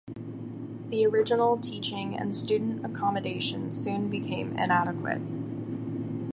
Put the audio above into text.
The original teaching and student accommodation soon became inadequate.